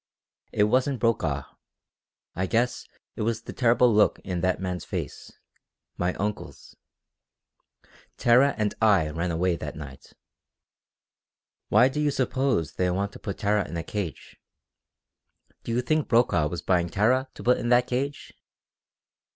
It wasn't Brokaw. I guess it was the terrible look in that man's face my uncle's. Tara and I ran away that night. Why do you suppose they want to put Tara in a cage? Do you think Brokaw was buying Tara to put into that cage?